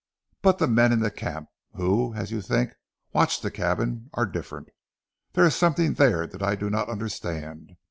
But the men in the camp, who, as you think, watch the cabin, are different. There is something there that I do not understand.